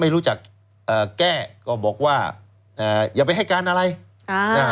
รู้จักเอ่อแก้ก็บอกว่าอ่าอย่าไปให้การอะไรอ่า